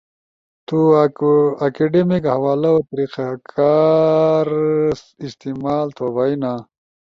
تو اکیڈیمک حوالو طریقہ کار استعمال تھو بئینا